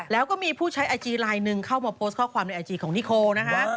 แล้วก็มีผู้ใช้ไอจีลายหนึ่งเข้ามาโพสต์ข้อความในไอจีของนิโคนะฮะ